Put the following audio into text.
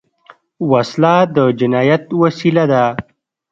وسله د جنايت وسیله ده